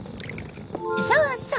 そうそう！